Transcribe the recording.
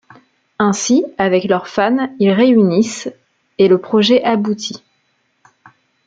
Ainsi, avec leurs fans, ils réunissent et le projet aboutit.